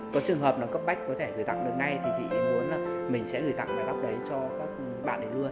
có trường hợp là cấp bách có thể gửi tặng được ngay thì chị ấy cũng muốn là mình sẽ gửi tặng mái tóc đấy cho các bạn ấy luôn